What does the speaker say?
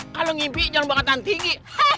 kalau ngimpi jalan bangetan tinggi